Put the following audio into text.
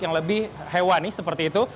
yang lebih hewani seperti itu